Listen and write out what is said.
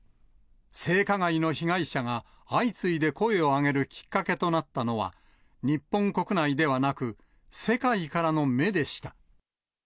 性加害の被害者が相次いで声を上げるきっかけとなったのは、日本国内ではなく、世界からの目でした。